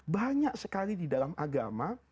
banyak sekali di dalam agama